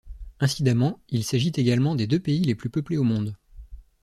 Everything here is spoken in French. Incidemment, il s'agit également des deux pays les plus peuplés au monde.